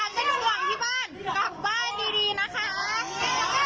มันกลับมาก